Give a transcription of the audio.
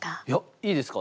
いいですか？